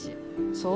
そう？